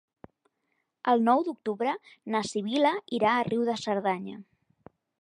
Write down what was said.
El nou d'octubre na Sibil·la irà a Riu de Cerdanya.